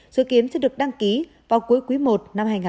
dự kiến sẽ được đăng ký vào cuối quý i năm hai nghìn hai mươi bốn